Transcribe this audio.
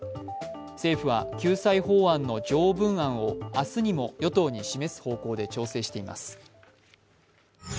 政府は救済法案の条文案を明日にも与党に示す方向で調整しています。